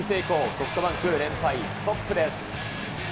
ソフトバンク連敗ストップです。